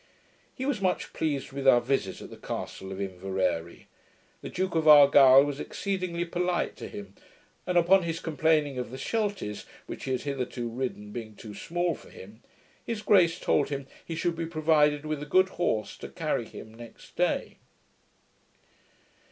He was much pleased with our visit at the castle of Inveraray. The Duke of Argyle was exceedingly polite to him, and, upon his complaining of the shelties which he had hitherto ridden being too small for him, his grace told him he should be provided with a good horse to carry him next day.